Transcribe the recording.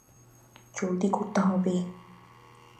জলদি করতে হবে।